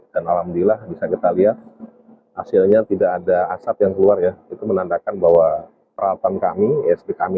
dan alhamdulillah bisa kita lihat hasilnya tidak ada asap yang keluar ya itu menandakan bahwa peralatan kami isp kami